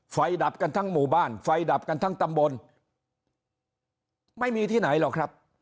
ดับกันทั้งหมู่บ้านไฟดับกันทั้งตำบลไม่มีที่ไหนหรอกครับ